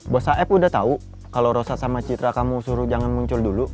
buah saeb udah tau kalau rosak sama citra kamu suruh jangan muncul dulu